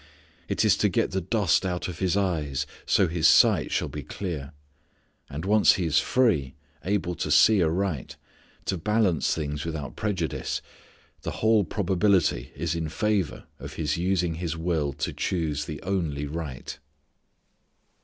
It is to get the dust out of his eyes so his sight shall be clear. And once he is free, able to see aright, to balance things without prejudice, the whole probability is in favour of his using his will to choose the only right.